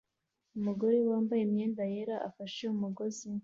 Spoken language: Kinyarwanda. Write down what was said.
Umugore wambaye imyenda yera afashe umugozi